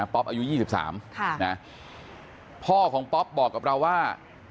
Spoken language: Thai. ป๊อปอายุ๒๓พ่อของป๊อปบอกกับเราว่า